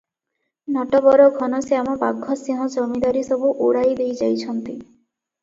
ନଟବର ଘନଶ୍ୟାମ ବାଘସିଂହ ଜମିଦାରୀସବୁ ଉଡ଼ାଇଦେଇ ଯାଇଛନ୍ତି ।